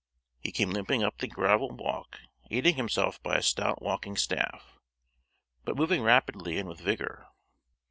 He came limping up the gravel walk, aiding himself by a stout walking staff, but moving rapidly and with vigor.